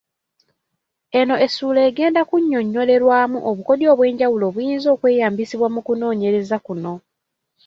Eno essuula egenda kunnyonnyolerwamu obukodyo obw'enjawulo obuyinza okweyambisibwa mu kunoonyereza kuno.